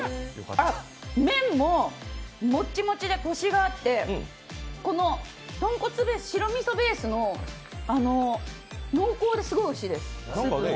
麺ももっちもちでコシがあって豚骨で白みそベースの、濃厚ですごいおいしいです。